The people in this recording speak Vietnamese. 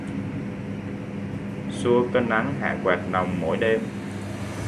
Xua cơn nắng hạ quạt nồng mỗi đêm